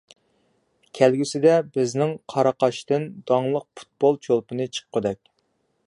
كەلگۈسىدە بىزنىڭ قاراقاشتىن داڭلىق پۇتبول چولپىنى چىققۇدەك.